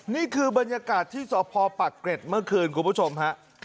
นี่คือบรรยากาศที่สพปักเกร็ดเมื่อคืนคุณผู้ชมฮะ